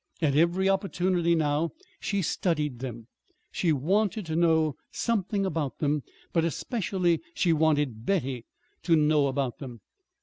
At every opportunity now she studied them. She wanted to know something about them; but especially she wanted Betty to know about them.